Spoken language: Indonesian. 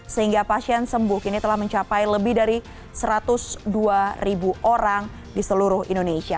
sehingga pasien sembuh kini telah mencapai lebih dari satu ratus dua orang di seluruh indonesia